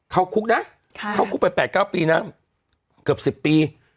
เข้าคุกนะเข้าคุกไป๘๙ปีนะเกือบ๑๐ปี